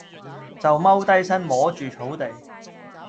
就踎低身摸住草地